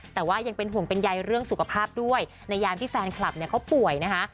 แต่ว่ายังเป็นห่วงเป็นใยเรื่องสุขภาพด้วยในยามที่แฟนคลับเนี่ยเขาป่วยนะคะ